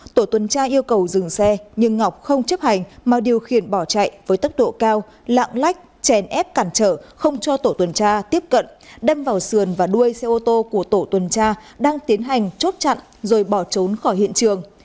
tổ tuần tra yêu cầu dừng xe nhưng ngọc không chấp hành mà điều khiển bỏ chạy với tốc độ cao lạng lách chèn ép cản trở không cho tổ tuần tra tiếp cận đâm vào sườn và đuôi xe ô tô của tổ tuần tra đang tiến hành chốt chặn rồi bỏ trốn khỏi hiện trường